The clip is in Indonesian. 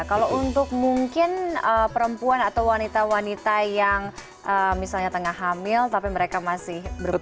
kalau untuk mungkin perempuan atau wanita wanita yang misalnya tengah hamil tapi mereka masih berusia